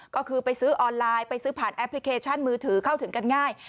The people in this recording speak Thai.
ก็คือไปซื้อออนไลน์ไปซื้อผ่านแอปพลิเคชันมือถือเข้าถึงกันง่าย